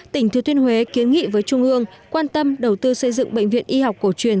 tỉnh thừa thiên huế kiến nghị với trung ương quan tâm đầu tư xây dựng bệnh viện y học cổ truyền